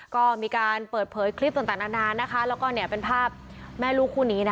ก็มีการเปิดเผยคลิปต่างนานแล้วก็เป็นภาพแม่ลูกคู่นี้